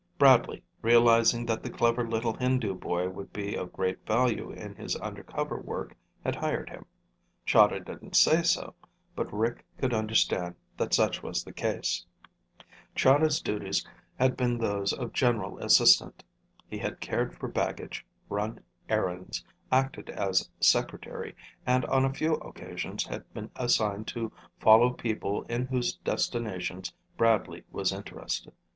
Bradley, realizing that the clever little Hindu boy would be of great value in his undercover work, had hired him. Chahda didn't say so, but Rick could understand that such was the case. Chahda's duties had been those of general assistant. He had cared for baggage, run errands, acted as secretary, and on a few occasions had been assigned to follow people in whose destinations Bradley was interested.